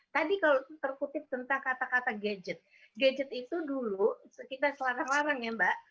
tadi kalau terkutip tentang kata kata gadget gadget itu dulu kita selarang larang ya mbak